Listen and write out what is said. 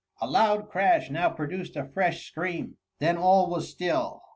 A loud crash now produced a fresh scream ; then all was still.